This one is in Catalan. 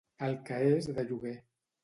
El que és de lloguer.